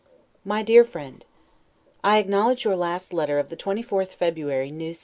MY DEAR FRIEND: I acknowledge your last letter of the 24th February, N. S.